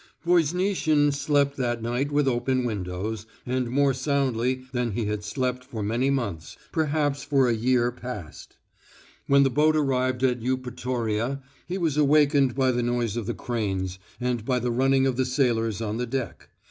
Voznitsin slept that night with open windows, and more soundly than he had slept for many months, perhaps for a year past. When the boat arrived at Eupatoria he was awakened by the noise of the cranes and by the running of the sailors on the deck.